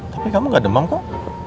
tapi kamu gak demam kok